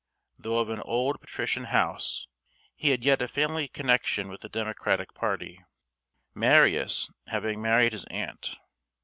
Though of an old patrician house, he had yet a family connection with the democratic party, Marius having married his aunt.